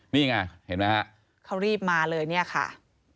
นี่ไงเห็นไหมฮะเขารีบมาเลยเนี่ยค่ะ